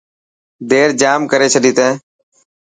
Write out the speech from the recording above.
دير ڄام ڪري ڇڏي تين.